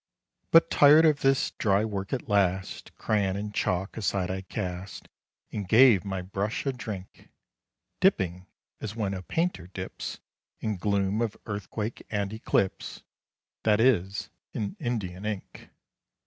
But tired of this dry work at last, Crayon and chalk aside I cast, And gave my brush a drink! Dipping "as when a painter dips In gloom of earthquake and eclipse," That is in Indian ink.